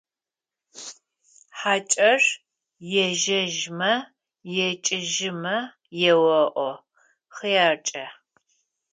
ХьакӀэр ежьэжьмэ, екӀыжьымэ еоӀо: «ХъяркӀэ!».